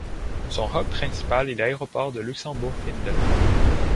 Son hub principal est l'aéroport de Luxembourg-Findel.